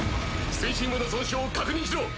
推進部の損傷を確認しろ！